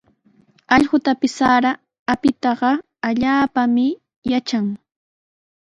Allqupis sara apitaqa allaapami yatran.